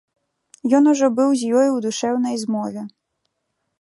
Ён ужо быў з ёю ў душэўнай змове.